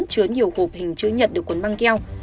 chứa nhiều hộp hình chứa nhật được quấn băng keo